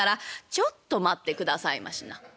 「ちょっと待ってくださいましな。